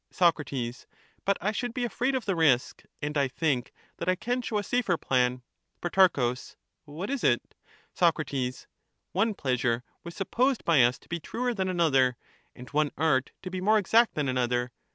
Soc. But I should be afraid of the risk, and I think that I can show a safer plan. Pro. What is it? Soc. One pleasure was supposed by us to be truer than another, and one art to be more exact than another.